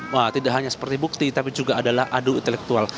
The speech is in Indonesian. wah tidak hanya seperti bukti tapi juga adalah adu intelektual